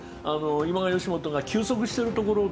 今川義元が休息してるところをですね